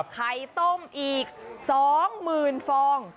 ไข่ต้มอีก๒๐๐๐ฟอง